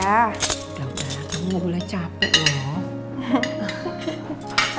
gak apa apa kamu gak boleh capek loh